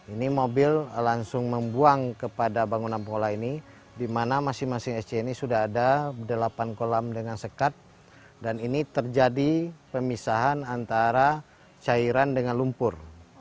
ini mobil langsung membuang kepada bangunan pola ini di mana masing masing sc ini sudah ada delapan kolam dengan sekat dan ini terjadi pemisahan antara cairan dengan lumpur